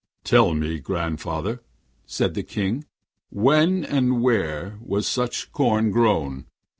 'Tell me, grandfather,' said the King, 'when and where was such corn grown?